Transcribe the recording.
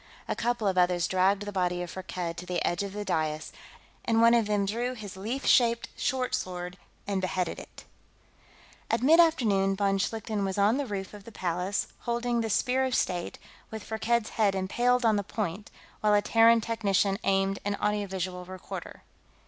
A couple of others dragged the body of Firkked to the edge of the dais, and one of them drew his leaf shaped short sword and beheaded it. At mid afternoon, von Schlichten was on the roof of the Palace, holding the Spear of State, with Firkked's head impaled on the point, while a Terran technician aimed an audio visual recorder.